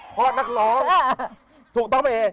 เพราะนักร้อง